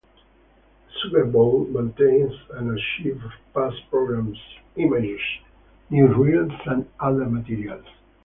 The Sugar Bowl maintains an archive of past programs, images, newsreels, and other materials.